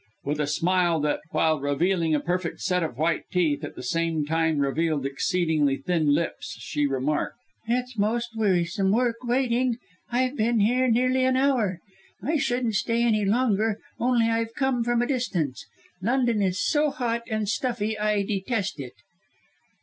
With a smile that, while revealing a perfect set of white teeth, at the some time revealed exceedingly thin lips, she remarked, "It's most wearisome work waiting. I've been here nearly an hour. I shouldn't stay any longer, only I've come from a distance. London is so hot and stuffy, I detest it."